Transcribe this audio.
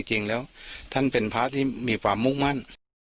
จริงแล้วท่านเป็นพระที่มีความมุ่งมั่น